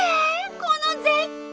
この絶景！